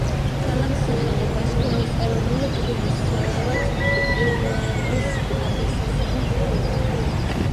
ქალაქ სახელი ბაშკირეთის ეროვნული გმირის სალავატ იულაევის პატივსაცემად ჰქვია.